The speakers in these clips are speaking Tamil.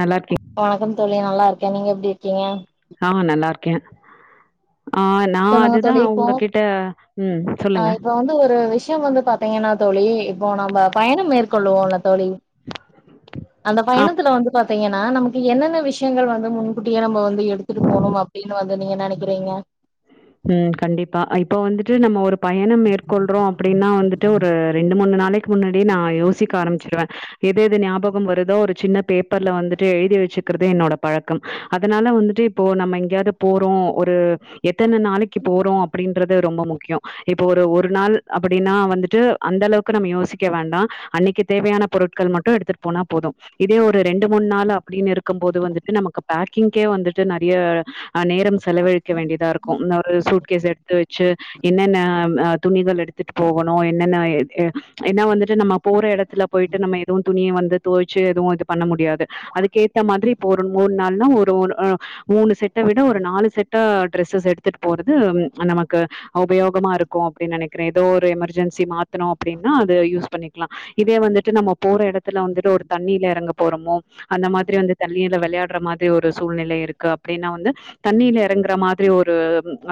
நல்லாருக்கீங் வணக்கம் தோழி நல்லாருக்கே நீங்க எப்டி இருக்கீங்க ஆ நல்லாருக்கே ஆ நா சொல்லுங்க அதுதா தோழி இப்போ உங்ககிட்ட ம் ஆ சொல்லுங்க இப்ப வந்து ஒரு விஷ்யோ வந்து பாத் தீங்னா தோழி இப்போ நம்ப பயணம் மேற்கொள்வோல்ல தோழி அந்த ஆ பயணத்துல வந்து பாத் தீங்கன்னா நமக்கு என்னென்ன விஷ்யங்கள் வந்து முன்கூட்டியே நம்ப வந்து எடுத்துட்டு போனும் அப்டின் வந்து நீங்க நெனக்கிறீங்க ம் கண்டிப்பா இப்போ வந்துட்டு நம்ம ஒரு பயணம் மேற்கொள்றோ அப்டின்னா வந்துட்டு ஒரு ரெண்டு மூனு நாள க்கு முன்னாடி நா யோசிக்க ஆரம்ச்சிருவே எது எது ஞாபகம் வருதோ ஒரு சின்ன பேப்பர்ல வந்துட்டு எழ்தி வச்சுக்கிறது என்னோட பழக்கம் அதனால வந்துட்டு இப்போ நம்ம எங்கயாது போறோ ஒரு எத்தன நாளைக்கு போறோ அப்டின்றது ரொம்ப முக்கியோ இப்போ ஒரு ஒரு நாள் அப்டின்னா வந்துட்டு அந்தளவுக்கு நம்ம யோசிக்க வேண்டா அன்னிக்கி தேவயான பொருட்கள் மட் டு எடுத்துட் போனா போது இதே ஒரு ரெண்டு மூன் நாள் அப்டின்னு இரு க்கும் போது வந்துட்டு நமக்கு பேக்கிங்க்கே வந்துட்டு நறைய நேரம் செலவழிக்க வேண்டியதா க்கும் இன்னொரு சூட் கேஸ் எடுத்து வச்சு என்னென்ன ஆ துணிகள் எடுத்துட்டு போகனு என்னென்ன எ ஏ ஏனா வந்துட்டு நம்ம போற எடத்துல போய்ட்டு நம்ம எதுவு துணிய வந்து தொவைச்சு எதுவு இது பண்ண முடியாது அதுக்கு ஏத்த மாதிரி இப்ப ஒரு மூன் நாள் னா ஒரு ஒரு ஆ மூனு செட்ட விட ஒரு நாலு செட்ட டிரெஸ்ஸஸ் எ த்திட் போறது நமக்கு ஒபயோகமாருக்கு அப்டி நெனைக்கிறே எதோ ஒரு எமர்ஜென்சி மாத்தனு அப்டின்னா அது யூஸ் பண்ணிக்லா இதே வந்துட்டு நம்ம போற எடத்துல வந்துட்டு ஒரு தண்ணில எறங்க போறம்மோ அந்த மாதிரி வந்து தண்ணில வெளயாட்ற மாரி ஒரு சூழ்நிலை இருக்கு அப்டின்னா வந்து தண்ணில்ல எறங்குற மாதிரி ஒரு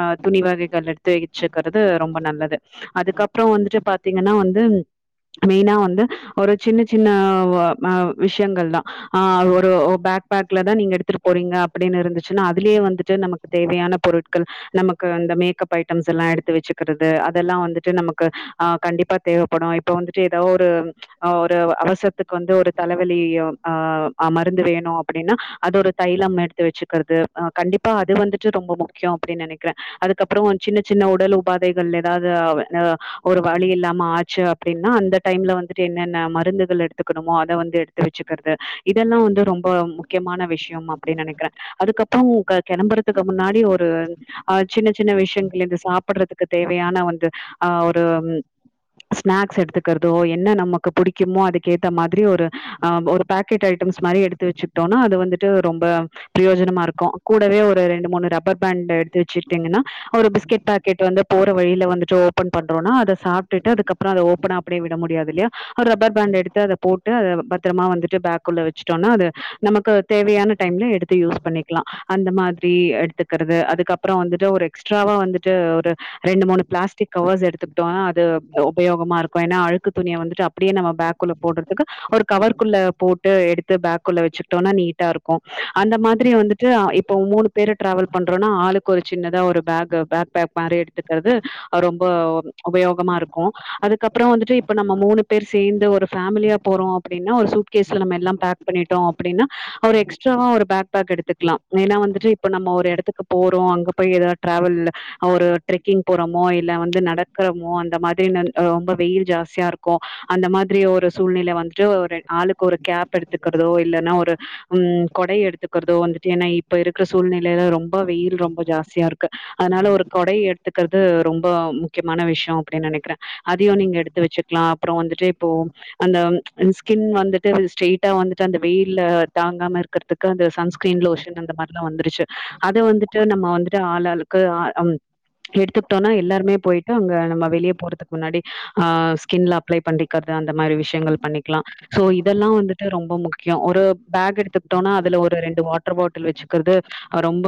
ஆ துணி வகைகள் எடுத்து ச்சுக்கறது ரொம்ப நல்லது அதுக்கப்றோ வந்துட்டு பாத்தீங்கன்னா வந்து மெய்னா வந்து ஒரு சின்ன சின்ன ஆ வ ஆ விஷ்யங்கள் தா ஆ ஒரு பேக்பேக்ல தா நீங்க எடுத்துட்டு போறீங்க அப்டின் இருந்துச்சுன்னா அதுலே வந்துட்டு நமக்கு தேவயான பொருட் ட்கள் நமக்கு அந்த மேக்கப் ஐட்டம்ஸ் எல்லா எடுத்து வச்சுக்கிறது அதெல்லா வந்துட்டு நமக்கு ஆ கண்டிப்பா தேவப்படு இப்ப வந்துட்டு எதோ ஒரு ஆ ஒரு அவசரத்துக்கு வந்து ஒரு தலவலி ஆ மருந்து வேணு அப்டின்னா அது ஒரு தைலம் எடுத்து வச்சுக்கற்து அ கண்டிப்பா அது வந்துட்டு ரொம்ப முக் கியோ அப்டின் நெனைக்றே அதுக்கப்றோ சின்ன சின்ன உடல் உபாதைகள் எதாவ்து ஆ ஒரு வலி இல்லாம ஆச் சு அப்டின்னா அந்த டைம்ல வந்துட்டு என்னென்ன மருந்துகள் எடுத்துக்கனுமோ அத வந்து எடுத்து வச்சுக்கறது இதெல்லா வந்து ரொம்ப முக்கியமான விஷ்யம் அப்டி நெனைக்கிறே அதுக்கப்றோ உங்க கெளம்புறதுக்கு முன்னாடி ஒ ரு ஆ சின்ன சின்ன விஷ்யங்கள் இது சாப்புட்றதுக்கு தேவயான வந்து ஆ ஒரு ஸ்நாக்ஸ் எடுத்துக்கற்தோ என்ன நமக்கு புடிக்குமோ அதுக்கு ஏத்த மாதிரி ஒரு ஆ ஒரு பாக்கெட் ஐட்டம்ஸ் மாரி எடுத்து வச்சுக்ட்டோனா அது வந்துட்டு ரொம்ப ப்ரயோஜனமா இருக்கு கூடவே ஒரு ரெண்டு மூணு ரப் லப்பர்பேன்டு எடுத்து வச்சீடிங்கன்னா ஒரு பிஸ்கெட் பக்கெட் வந்து போற வழில வந்துட்டு ஓப்பன் பண்றோன்னா அத சாப் டுட்டு அதுக்கப்றோ அத ஓப்பனா அப்டியே விட முடியாதுல்லையா ஒரு ரப்பர் பேண்ட் எடுத்து அத போட்டு அத பத்திரமா வந்துட்டு பேக்குள்ள வச்சுட்டோனா அது நமக்கு தேவயான டைம்ல எடுத்து யூஸ் பண்ணிக்லா அந்த மாதிரி அடுத் கத்துக்குறது அதுக்கப்புறோ வந்துட்டு ஒரு எக்ஸ்ட்ராவா வந்துட்டு ஒரு ரெண்டு மூணு ப்ளஸ்டிக் கவர்ஸ் எடுத்துக்கிட்டோனா அது உபயோகமா இருக்கு ஏனா அழுக்கு துணிய வந்துட்டு அப்டியே நம்ம பேக்குள்ள போடுறதுக்கு ஒரு கவர் குள்ள போட்டு எடுத்து பேக் குள்ள வச்சுட்டோனா நீட்டா இருக்கு அந்த மாதிரி வந்துட்டு ஆ இப்போ மூணு பேரு ட்ரவல் பண்றோனா ஆளுக்கு ஒரு சின்னதா ஒரு பேக் பேக் பேக் மாரி எடுத்துக்கிறது அது ரொம்ப உபயோகமா இருக்கு அதுக்கப்றோ வந்துட்டு இப்ப நம்ம மூணு பேர் சேந்து ஒரு ஃபேமிலியா போறோ அப்டின்னா ஒரு சூட் கேஸ்ல நம்ம எல்லா பேக் பண்ணிட்டோ அப்டின்னா ஒரு எக்ஸ்ட்ராவா ஒரு பேக் பேக் எடுத்து க்லா ஏனா வந்துட்டு இப்ப நம்ம ஒரு எடத்துக்கு போறோ அங்க போய் ஏதாது ட்ரவல்ல ஒரு ட்ரெக்கிங் போறோமோ இல்ல வந்து நடக்கறோமோ அந்த மாதிரி ந ரொம்ப வெயில் ஜாஸ்தியா இருக் கு அந்த மாதிரி ஒரு சூழ்நிலை வந்துட்டு ஒரு ஆளுக்கு ஒரு கேப் எடுத்துக்கிறதோ இல்லன்னா ஒரு ம் கொடை எடுத்துக்கிறதோ வந்துட்டு ஏன்னா இப்ப இருக்க சூழ்நிலைல ரொம் பா வெயில் ரொம்ப ஜாஸ்தியா இருக்கு அதனால ஒரு கொடையை எடுத்துக்கிறது ரொம்ப முக்கியமான விஷயோ அப்டின்னு நினைக்கிற அதையு நீங்க எடுத்து வச்சுக்லா அப்புறோ வந்துட்டு இப்போ அந்த ஸ்கின் வந்துட்டு ஸ்ட்ரெய்ட்டா வந்துட்டு அந்த வெயில்ல தாங்காம இருக்கிறதுக் இப்ப அந்த சன் ஸ்க்ரீன் லோஷன் அந்த மாரில்லா வந்துருச்சு அத வந்துட்டு நம்ம வந்துட்டு ஆளாளுக்கு அம் எடுத்துக்கிட்டோனா எல்லாருமே போய்ட்டு அங்க நம்ம வெளிய போறதுக்கு முன்னாடி ஆ ஸ்கின்ல அப்ளை பண்ணிக்கிறது அந்த மாரி விஷயங்கள் பண்ணிக்லா சோ இதெல்லா வந்துட்டு ரொம்ப முக்கியோ ஒரு பேக் எடுத்துக்கிட்டோனா அதுல ஒரு ரெண்டு வாட்டர் பாட்டில் வச்சுக்கிறது ரொம்ப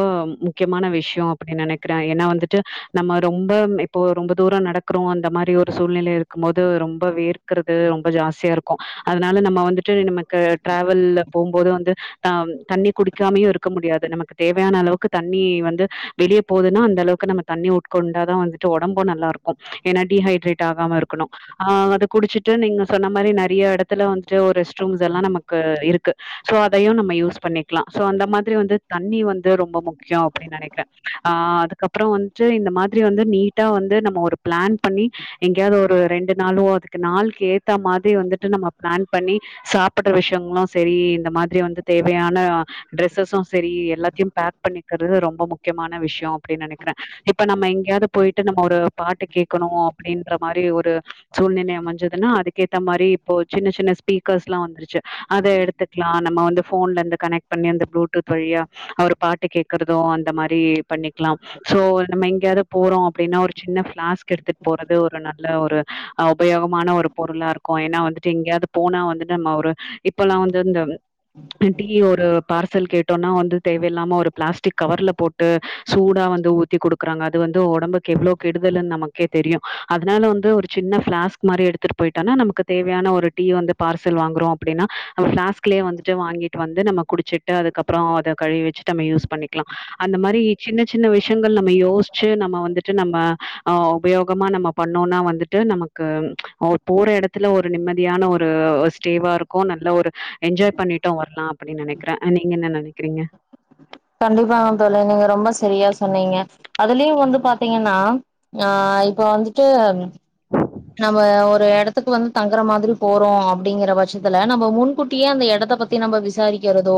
முக்கியமான விஷயோ அப்படின் நெனைக்கிற ஏன்னா வந்துட்டு நம்ம ரொம்ப இப்போ ரொம்ப தூரோ நடக்குறோ அந்த மாரி ஒரு சூழ்நிலை இருக்கும் போது ரொம்ப வேர்க்கிறது ரொம்ப ஜாஸ்தியா இருக்கு அதனால நம்ம வந்துட்டு நமக்கு ட்ரவல்ல போம்போது வந்து தா தண்ணி குடிக்காமயு இருக்க முடியாது நமக்கு தேவையான அளவுக்கு தண்ணி வந்து வெளிய போதுன்னா அந்த அளவுக்கு நம்ம தண்ணி உட்கொண்டாதா வந்துட்டு ஒடம்பு நல்லா இருக்கு அப் ஏன்னா டீஹைட்ரேட் ஆகாம இருக்கணு ஆ அது குடிச்சிட்டு நீங்க சொன்ன மாரி நெறைய எடத் த்துல வந்துட்டு ஒரு ரெஸ் ரூம் எல்லா நமக் கு இருக்கு சோ அதையு நம்ம யூஸ் பண்ணிக்லா சோ அந்த மாதிரி வந்து த தண்ணி வந்து ரொம்ப முக்கியோ அப்டின்னு நெனைக்கிற ஆ அதுக்கப்றோ வந்துட்டு இந்த மாதிரி வந்து நீட்டா வந்து நம்ம ஒரு ப்ளன் பண்ணி எங்கயாது ஒரு ரெண்டு நாளு அதுக்கு நாள்க்கு ஏத்த மாதி வந்துட்டு நம்ம ப்ளன் பண்ணி சாப்பிடுற விஷயங்களு சரி இந்த மாதிரி வந்து தேவையான ட்ரெஸ்ஸஸ்சு சரி எல்லாத்தையு பேக் பண்ணிக்கிறது ரொம்ப முக்கியமான விஷயோ அப்டின்னு நெனைக்கிற இப்ப நம்ம எங்கயாது போய்ட்டு நம்ம ஒரு பாட்டு கேக்கணு அப்டின்ற மாரி ஒரு சூழ்நிலை அமஞ்சதுன்னா அதுக்கேத்த மாரி இப்போ சின்ன சின்ன ஸ்பீக்கர்ஸ்ல்லா வந்துருச்சு அத எடுத் துக்லா நம்ம வந்து ஃபோன்ல இருந்து கனெக்ட் பண்ணி அந்த ப்ளூடூத் வழியா அவரு பாட்டு கேக்குறதோ அந்த மாரி பண்ணிக்லாம் சோ நம்ம எங்கயாது போறோ அப்டின்னா ஒரு சின்ன ப்ளாஸ்க் எடுத்துட்டு போறது ஒரு நல்ல ஒரு ஆ உபயோகமான ஒரு பொருளா இருக்கு ஏன்னா வந்துட்டு எங்கயாது போனா வந்துட்டு நம்ம ஒரு இப்பல்லா வந்து இந்த டீ ஒரு பார்சல் கேட்டோனா வந்து தேவையில்லாம ஒரு ப்ளஸ்டிக் கவர்ல போட்டு சூடா வந்து ஊத்தி குடுக்றாங்க அது வந்து ஒடம்பு க்கு எவ்வளோ கெடுதல்னு நமக் கே தெரியு அதனால வந்து ஒரு சின்ன பிளாஸ்க் மாரி எடுத்துட்டு போயிட்டோனா நமக்கு தேவையான ஒரு டீ வந்து பார்சல் வாங்குறோ அப்டின்னா நம்ம பிளாஸ்க்லேயே வந்துட்டு வாங்கிட்டு வந்து நம்ம குடிச்சிட்டு அதுக்கப்புறோ அத கழுவி வச்சுட்டு நம்ம யூஸ் பண்ணிக்கலா அந்த மாரி சின்ன சின்ன விஷயங்கள் நம்ம யோசிச்சு நம்ம வந்துட்டு நம்ம ஆ உபயோகமா நம்ம பண்ணோன்னா வந்துட்டு நமக்கு ஒ போற எடத்துல ஒரு நிம்மதியான ஒரு ஸ்டேவா இரு க்கு நல்லா ஒரு என்ஜாய் பண்ணிட்டு வரலா அப்டின்னு நனைக்கிற அ நீங்க என்ன நனைக்கிறீங்க கண்டிப்பாங்க தோழி நீங்க ரொம்ப சரியா சொன்னீங்க அதுலயு வந்து பாத்தீங்கன்னா ஆ இப்போ வந்துட்டு நம்ம ஒரு எடத்துக்கு வந்து தங்குற மாதிரி போறோ அப்டீங்கற பட்சத்துல நம்ப முன்கூட்டியே அந்த எடத்த பத் தி நம்ப விசாரிக்கறதோ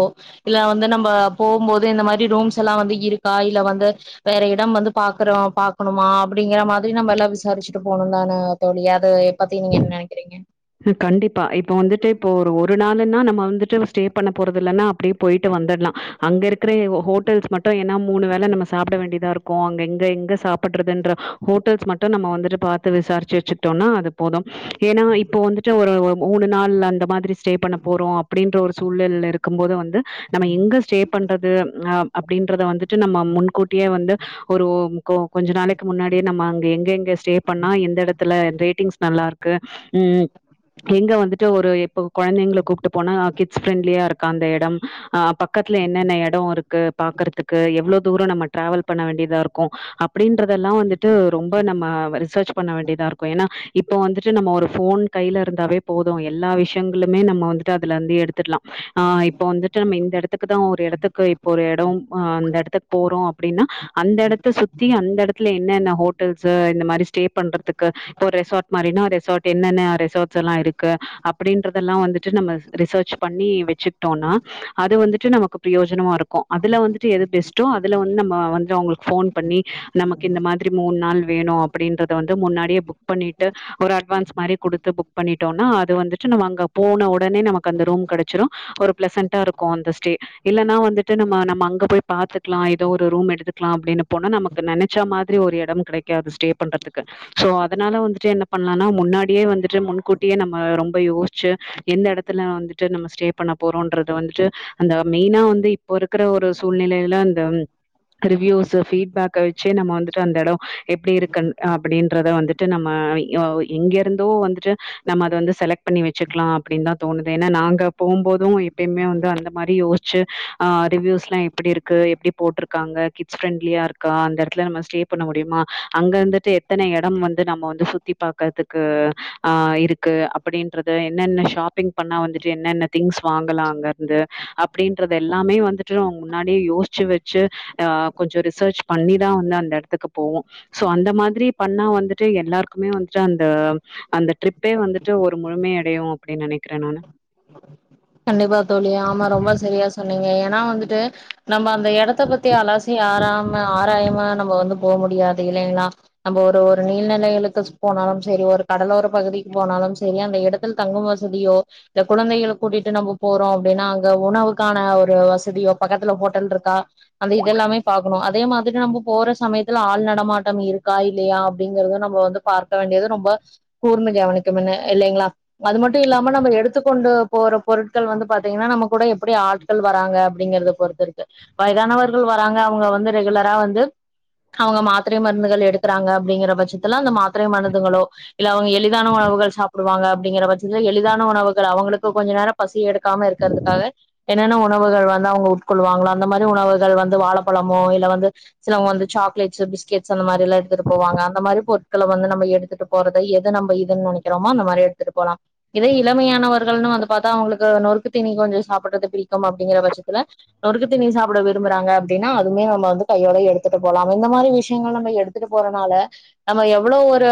இல்ல வந்து நம்ப போம்போது இந்த மாரி ரூம்ஸ் எல்லா வந்து இருக்கா இல்ல வந்து வேற இடம் வந்து பாக்குறோ பாக்கணுமா அப்டீங்கற மாதிரி நம்ம எல்லா விசாரிச்சுட்டு போணுந்தான தோழி அது பத்தி நீங்க என்ன நெனைக்கிறீங்க ம் கண்டிப்பா இப்ப வந்துட்டு இப்போ ஒரு ஒரு நாளுன்னா நம்ம வந்துட்டு ஸ்டே பண்ண போறது இல்லன்னா அப்டியே போயிட்டு வந்தட்லா அங்க இருக்கற ஹோட்டல்ஸ் மட்டு ஏனா மூணு வேல நம்ம சாப்ட வேண்டியதா இருக்கு அங்க இங்க எங்க சாப்பட்றதுன்ற ஹோட்டல்ஸ் மட்டு நம்ம வந்துட்டு பாத்து விசாரிச்சு வச்சுக்ட்டோன்னா அது போது ஏனா இப் போ வந்துட்டு ஒரு ஒ மூணு நாள் அந்த மாதிரி ஸ்டே பண்ண போறோ அப்டீன்ற ஒரு சூழல்ல இருக்கும் போது வந்து நம்ம எங்க ஸ்டேப் பண்றது அ அப்டீன்றத வந்துட்டு நம்ம முன்கூட்டியே வந்து ஒரு ஒ கொ கொஞ்ச நாளை கு முன்னாடியே நம்ம அங்க எங்க எங்க ஸ்டே பண்ணா எந்த எடத்துல ரேட்டிங்ஸ் நல்லா இருக்கு ம் எங்க வந்துட்டு ஒரு இப்போ கொழந்தைங்கள கூப்ட்டு போனா கிட்ஸ் ஃப்ரெண்ட்லியா இருக்கா அந்த எடம் அ ப க்கத்துல என்னென்ன எடோ இருக்கு பாக்கற்துக்கு எவ்ளோ தூரோ நம்ம டிராவல் பண்ண வேண்டியதா இருக்கு அப்டீன்றதெல்லா வந்துட்டு ரொம்ப நம்ம ரிசர்ச் பண்ண வேண்டியதா இருக்கு ஏன்னா இப்போ வந்துட்டு நம்ம ஒரு ஃபோன் கைல இருந்தாவே போது எல்லா விஷயங்களுமே நம்ம வந்துட்டு அதிலந்து எடுத் துட்லா ஆ இப்ப வந்துட்டு நம்ம இந்த எடத் துக்குதா ஒரு எடத்துக்கு இப்ப ஒரு எடோ அ அந்த எடத்துக்கு போறோ அப்டின்னா அந்த எடத்த சுத்தி அந்த எடத் துல என்னென்ன ஹோட்டல்ஸு இந்த மாரி ஸ்டே பண்றதுக்கு இப்போ ரெசார்ட் மாரினா ரெசார்ட் என்னென்ன ரெசார்ட்ஸெல்லா இருக்கு அப்பிடீன்றதெல்லா வந்துட்டு நம்ம ரிசர்ச் பண்ணி வெச்சு ட்டோனா அது வந்துட்டு நமக்கு ப்ரியோஜனமா இருக்கு அதுல வந்துட்டு எது பெஸ்ட்டோ அதுல வந்து நம்ம வந்து அவுங்குளுக் ஃபோன் பண்ணி நமக்கு இந்த மாதிரி மூண் நாள் வேணு அப்பிடீன்றத வந்து முன்னாடியே புக் பண்ணீட்டு ஒரு அட்வான்ஸ் மாரி குடுத்து புக் பண்ணிட்டோனா அது வந்துட்டு நம்ம அங்க போன ஒடனே நமக்கு அந்த ரூம் கெடச்சிரு ஒரு ப்ளசன்ட்டா இருக்கு அந்த ஸ்டே இல்லன்னா வந்துட்டு நம்ம நம்ம அங்க போய் பாத்துக்லா ஏதோ ஒரு ரூம் எடுத்துக்கலா அப்டீன்னு போனா நமக் கு நெனச்ச மாதிரி ஒரு எடமு கிடைக்காது ஸ்டே பண்றதுக்கு சோ அதனால வந்துட்டு என்ன பண்லானா முன்னா டியே வந்துட்டு முன்கூட்டியே நம்ம ரொம்ப யோஷ்ச்சு எந்த எடத்துல வந்துட்டு நம்ம ஸ்டே பண்ண போறோன்றத வந்துட்டு அந்த மெய்னா வந்து இப்போ இருக்கற ஒரு சூழ்நிலைல அந்த ரிவ்யூஸு ஃபீட்பேக்க வச்சே நம்ம வந்துட்டு அந்த எடோ எப்டி இருக்குன் அப்டீன்றத வந்துட் டு நம்ம யோ எங்கே ரிந்தோ வந்துட்டு நம்ம அத வந்து செலக்ட் பண்ணி வச்சுக்லா அப்டின்தா தோணுது ஏனா நாங்க போம்போது எப் ப்பேமே வந்து அந்த மாரி யோஷ்ச்சு அ ரிவ்யூஸ்ல்லா எப்டி இருக்கு எப்டி போட்ருக்காங்க கிட்ஸ் ஃப்ரெண்ட்லியாருக் கா அந்த எடத்துல நம்ம ஸ்டே பண்ண முடிமா அங்க இருந்துட்டு எத்தன எடம் வந்து நம்ம வந்து சுத்தி பாக்கதுக் க்கூ அ அ இருக்கு அப்பிடின்றது என்னென்ன ஷாப்பிங் பண்ணா வந்துட்டு என்னென்ன திங்ஸ் வாங்கலா அங்கர்ந்து அப்டின்றது எல்லாமே வந்துட்டு நம்ம முன்னாடியே யோச்சு வச்சு ஆ கொஞ்சோ ரிசர்ச் பண்ணிதா வந்து அந்த எடத்துக்கு போவோ சோ அந்த மாத்ரி பண்ணா வந்துட்டு எல்லாருக்குமே வந்துட்டு அந் த அந்த ட்ரிப்பே வந்துட்டு ஒரு முழுமை அடையு அப்டின் நெனைக்கற நானு கண்டிப்பா தோழி ஆமா ரொம்ப சரியா சொன்னீங்க ஏனா வந்துட்டு நம்ம அந்த எடத்த பத்தி அலாசி ஆறாம ஆராயம நம்ம வந்து போ முடியாது இல்லைங்ளா நம்ம ஒரு ஒரு நீல்நிலையளுக்கு போனாலும் செரி ஒரு கடலோர பகுதிக்கு போனாலும் செரி அந்த எடத் தில் தங்கும் வசதியோ இல்ல குழந்தைகளுக் கூட்டிட்டு நம்ப போறோ அப்டின்னா அங்க உணவுக்கான ஒரு வசதியோ பக்கத்துல ஹோட்டல்ருக்கா அந்த இதெல்லாமே பாக்கணு அதே மாதிரி நம்ம போற சமயத்துல ஆள் நடமாட்டம் இருக்கா இல்லயா அப்டிங்கறது நம்ம வந்து பார்க்க வேண்டியது ரொம்ப கூர்ந்து கவனிக்குனுங்க இல்லைங்ளா அது மட்டும் இல்லாம நம்ம எடுத்துக்கொண்டு போற பொருட்கள் வந்து பாத்தீங்கனா நம்ம கூட எப்டி ஆட்கள் வராங்க அப்டிங்கறத பொறுத்து இருக்கு வயதானவர்கள் வராங்க அவுங்க வந்து ரெகுலரா வந்து அவுங்க மாத்திரை மருந்துகள் எடுக்கறாங்க அப்படிங்கிற பட்சத்துல அந்த மாத் திரை மருந்துங்களோ இல்ல அவங்க எளிதான உணவுகள் சாப்படுவாங்க அப்படிங்கிற பட்சத்தில் எளிதான உணவுகள் அவங்களுக் கு கொஞ்ச நேரம் பசி எடுக்காம இருக்கிறதுக்காக என்னென்ன உணவுகள் வந்து அவுங்க உட்கொள்வாங்களா அந்த மாதிரி உணவுகள் வந்து வாழைப்பழமோ இல்ல வந்து சிலவங்க வந்து சாக்லேட்ஸ் பிஸ்கெட் ஸ் அந்த மாதிரி எலாம் எடுத்துட்டு போவாங்க அந்த மாரி பொருட்கள வந்து நம்ம எடுத்துட்டு போறத எது நம்மதுன்னு நனைக்கிறோமோ அந்த மாரி எடு த்துட்டு போலாம் இதே இளமையானவர் கள் வந்து பார்த்தா அவங்களுக்கு நொறுக்கு தீனி கொஞ்சம் சாப்ட்டுறது புடிக்கும் அப்படிங்கிற பட்சத்துல நொறுக்கு தீனி சாப்ட விரும்புறாஙக் அப்டின்னா அதுமே நம்ம வந்து கையோட எடுத்துட்டு போல இந்த மாரி விஷயங்கள் நம்ம எடுத் துட்டு போறனால நம்ம எவ்வளோ ஒரு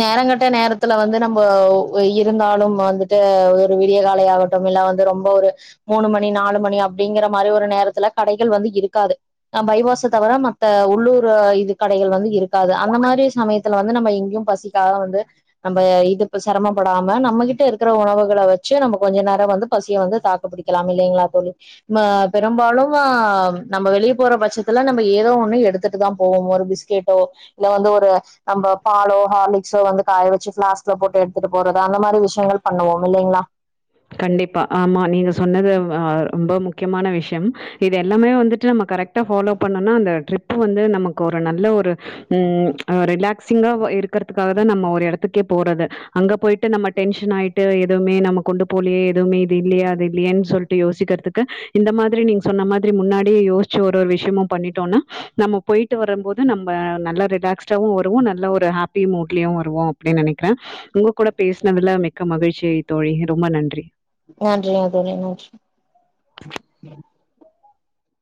நேர கட்ட நேரத் த்துல வந்து நம்ம இருந்தாலும் வந்துட்டு ஒரு விடிய கால ஆகட்டும் இல்ல வந்து ரொம்ப ஒரு மூணு மணி நாலு மணி அப்டிங்கிற மாரி ஒரு நேரத்துல கடைகள் வந்து இருக்காது அ பைபாச தவிர மத்த உள்ளூர் அ இது கடைகள் வந்து இருக்காது அந்த மாரி சமயத்துல வந்து நம்ம எங்கேயும் பசி க்காக வந்து நம்ம இது சிரமப்படாம நம்மகிட்ட இருக் கிற உணவுகள வச்சு நம்ம கொஞ்சம் நேரம் வந்து பசியை வந்து தாக்கு பிடிக்கலாம் இல்லைங்களா தோழி ம பெரும்பாலும் அ நம்ம வெளியே போற பட்சத்துல நம்ம ஏதோ ஒண்ணும் எடுத்துட்டு தான் போவோ ஒரு பிஸ் கெட்டோ இல்ல வந்து ஒரு நம்ம பாலோ ஹார்லிக்ஸோ வந்து காய வச்சு ஃபிளாஸ்க்ல போட்டு எடுத்துட்டு போறது அந்த மாரி விஷயங்கள் பண்ணுவோம் இல்லைங்ளா கண்டிப்பா ஆமா நீங்க சொன்னது ரொம்ப முக்கியமான விஷயம் இது எல்லாமே வந்துட்டு நம்ம கரெக்ட்டா ஃபாலோ பண்ணோனா அந்த ட்ரிப் மேக்ஸிமம் வந்து நமக்கு ஒரு நல்ல ஒரு உம் ரிலாக்சிங்கா இருக்கிறதுக்காக தா நம்ம ஒரு எடத்து க்கே போறது அங்க போயிட்டு நம்ம டென்ஷன் ஆயிட்டு எதுவுமே நம்ம கொண்டு போலியே எதுவுமே இது இல்லையா அது இல்லையேன்னு சொல்லிட்டு யோசிக்கிறதுக்கு இந்த மாதிரி நீங்க சொன்ன மாதிரி முன்னாடியே யோசி ச்சு ஒரு ஒரு விஷயமும் பண்ணிட்டோம்னா நம்ம போயிட்டு வரும் போது நம்ம நல்ல ரிலாக்ஸ்டாவும் நல்ல ஒரு ஹா ப்பி மூட்லயும் வருவோம் அப்படின்னு நெனைக்கிறேன் உங்க கூட பேஸ்னதுல மிக்க மகிழ்ச்சி தோழி ரொம்ப நன்றி நன்றிங்க தோழி நன்றி